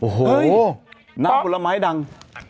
โอ้โหน้ำผลไม้ดัง